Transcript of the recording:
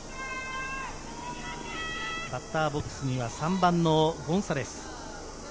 バッターボックスには３番のゴンサレス。